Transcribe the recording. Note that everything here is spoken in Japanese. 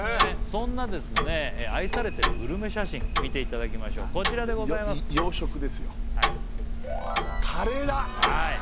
そんな愛されてるグルメ写真見ていただきましょうこちらでございますカレーだ！